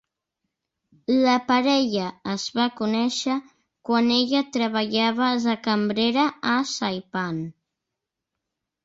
La parella es va conèixer quan ella treballava de cambrera a Saipan.